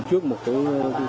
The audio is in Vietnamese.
trước một cái